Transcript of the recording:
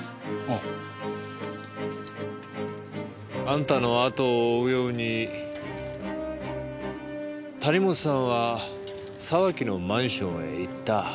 うん。あんたのあとを追うように谷本さんは沢木のマンションへ行った。